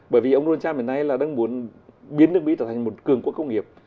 bởi vì ông donald trump hiện nay là đang muốn biến nước mỹ trở thành một cường quốc công nghiệp